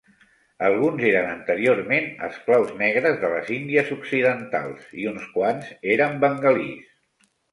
Alguns eren anteriorment esclaus negres de les Índies Occidentals i uns quants eren bengalís.